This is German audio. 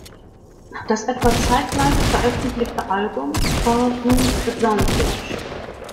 Das etwa zeitgleich veröffentlichte Album "For Whose Advantage?